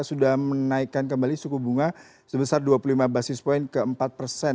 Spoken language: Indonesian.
sudah menaikkan kembali suku bunga sebesar dua puluh lima basis point ke empat persen